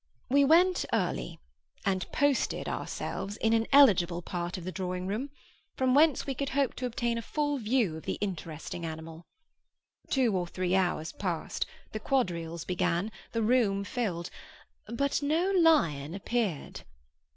We went early, and posted ourselves in an eligible part of the drawing room, from whence we could hope to obtain a full view of the interesting animal. Two or three hours passed, the quadrilles began, the room filled; but no lion appeared.